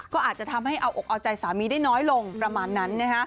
ก็อาจจะทำให้เอาอกเอาใจสามีได้น้อยลงประมาณนั้น